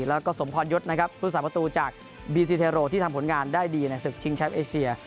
แล้วก็สมพรยศนะครับผู้สาประตูจากบีซีเทโรที่ทำผลงานได้ดีในศึกชิงแชมป์เอเชีย